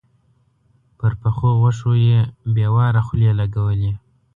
پر پخو غوښو يې بې واره خولې لګولې.